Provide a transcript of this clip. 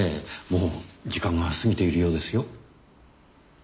もう時間が過ぎているようですよ。